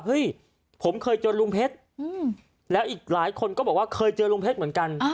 เฮ้ยผมเคยเจอลุงเพชรแล้วอีกหลายคนก็บอกว่าเคยเจอลุงเพชรเหมือนกัน